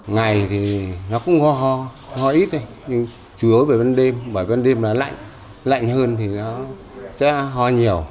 ngày thì nó cũng ho ho ít thôi chủ yếu bởi bận đêm bởi bận đêm là lạnh lạnh hơn thì nó sẽ ho nhiều